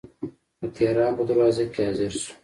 د تهران په دروازه کې حاضر شو.